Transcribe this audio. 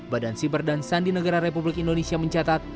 badan sibersan di negara republik indonesia mencatat